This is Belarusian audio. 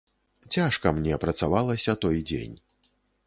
Цяжка мне працавалася той дзень.